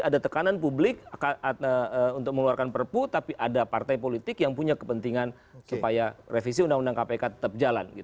ada tekanan publik untuk mengeluarkan perpu tapi ada partai politik yang punya kepentingan supaya revisi undang undang kpk tetap jalan